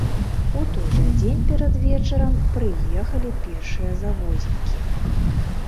У той жа дзень перад вечарам прыехалі першыя завознікі.